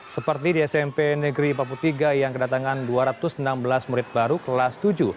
seperti di smp negeri empat puluh tiga yang kedatangan dua ratus enam belas murid baru kelas tujuh